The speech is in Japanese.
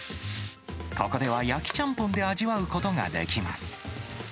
ここでは焼きちゃんぽんで味わうことができます。